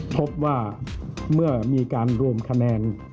พบว่าเมื่อมีการรวมคะแนน